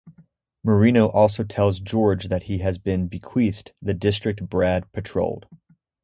Morino also tells George that he has been bequeathed the district Brad patrolled.